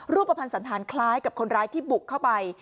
ประพันธ์สันธารคล้ายกับคนร้ายที่บุกเข้าไป